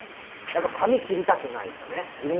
やっぱ髪切りたくないとね。